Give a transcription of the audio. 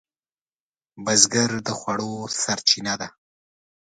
بزګر د خوړو سرچینه ده